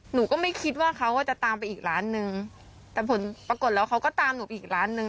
หนูก็ไม่คิดว่าเขาจะตามไปอีกร้านนึงแต่ผลปรากฏแล้วเขาก็ตามหนูไปอีกร้านนึง